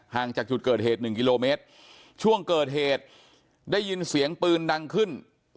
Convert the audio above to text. จากจุดเกิดเหตุหนึ่งกิโลเมตรช่วงเกิดเหตุได้ยินเสียงปืนดังขึ้น